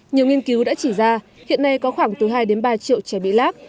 nhiều nghiên cứu đã chỉ ra hiện nay có khoảng từ hai ba triệu trẻ bị lắc